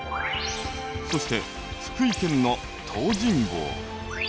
そして福井県の東尋坊。